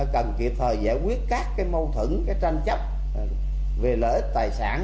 cần kịp thời giải quyết các cái mâu thuẫn cái tranh chấp về lợi ích tài sản